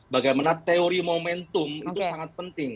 bagaimana teori momentum itu sangat penting